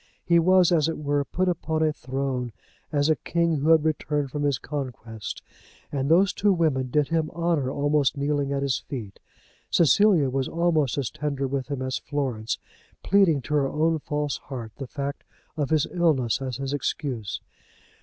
He was, as it were, put upon a throne as a king who had returned from his conquest, and those two women did him honour, almost kneeling at his feet. Cecilia was almost as tender with him as Florence, pleading to her own false heart the fact of his illness as his excuse.